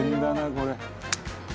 「これ？」